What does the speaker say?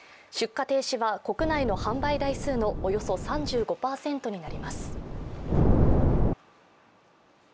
出荷停止は国内の販売台数のおよそ３５％になります。